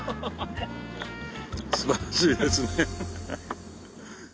素晴らしいですね。